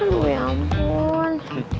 aduh ya ampun